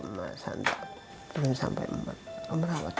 masih belum sampai merawat